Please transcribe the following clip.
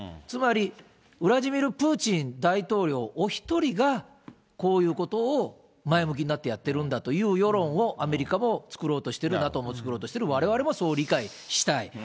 つまり、ウラジミール・プーチン大統領お１人が、こういうことを前向きになってやってるんだという世論を、アメリカも作ろうとしてる、ＮＡＴＯも作ろうとしてる、われわれもそう理解したい。